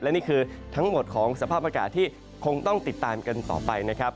และนี่คือทั้งหมดของสภาพอากาศที่คงต้องติดตามกันต่อไปนะครับ